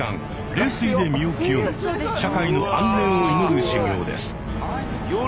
冷水で身を清め社会の安寧を祈る修行です。